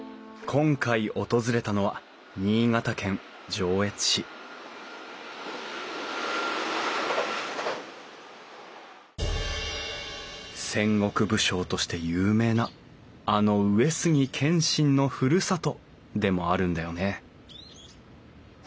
今回訪れたのは新潟県上越市戦国武将として有名なあの上杉謙信のふるさとでもあるんだよね